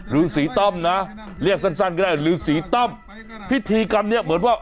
ฤษีต้อมนะเรียกสั้นสั้นก็ได้ฤษีต้อมพิธีกรรมเนี้ยเหมือนว่า